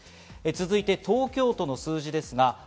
続いて東京都の数字です。